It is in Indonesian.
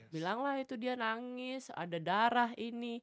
bilanglah itu dia nangis ada darah ini